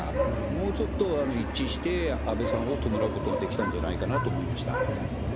もうちょっと一致して安倍さんを弔うことができたんじゃないかなそうですね。